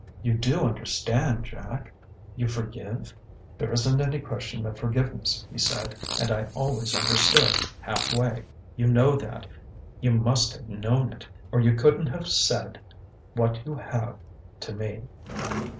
"You do understand, Jack?... You forgive?..." "There isn't any question of forgiveness," he said. "And I always understood half way. You know that you must have known it, or you couldn't have said what you have to me."